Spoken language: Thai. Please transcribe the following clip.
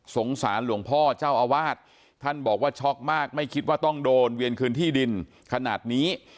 สารหลวงพ่อเจ้าอาวาสท่านบอกว่าช็อกมากไม่คิดว่าต้องโดนเวียนคืนที่ดินขนาดนี้